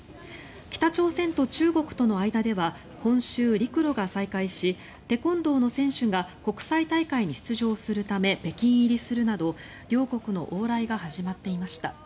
北朝鮮と中国との間では今週、陸路が再開しテコンドーの選手が国際大会に出場するため北京入りするなど両国の往来が始まっていました。